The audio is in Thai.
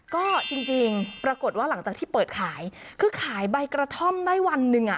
ก็จริงปรากฏว่าหลังจากที่เปิดขายคือขายใบกระท่อมได้วันหนึ่งอ่ะ